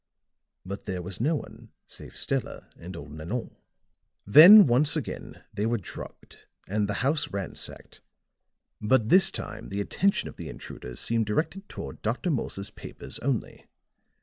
But there was no one save Stella and old Nanon. "Then once again they were drugged and the house ransacked, but this time the attention of the intruders seemed directed toward Dr. Morse's papers only.